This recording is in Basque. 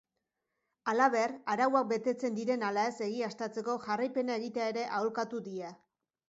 Halaber, arauak betetzen diren ala ez egiaztatzeko jarraipena egitea ere aholkatu die.